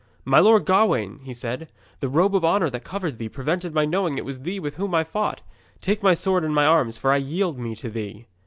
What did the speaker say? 'My Lord Gawaine,' he said, 'the robe of honour that covered thee prevented my knowing it was thee with whom I fought. Take my sword and my arms, for I yield me to thee.'